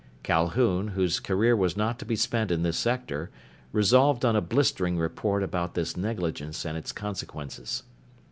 Calhoun, whose career was not to be spent in this sector, resolved on a blistering report about this negligence and its consequences.